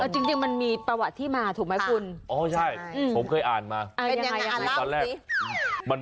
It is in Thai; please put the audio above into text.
จริงมันมีประวัติที่มาถูกมั้ยคุณอ๋อใช่ผมเคยอ่านมาเป็นยังไงอ่านล่ะตอนแรก